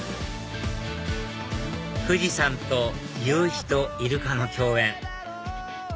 富士山と夕日とイルカの共演